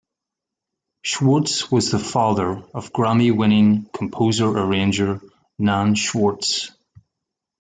Schwartz was the father of Grammy-winning composer-arranger Nan Schwartz.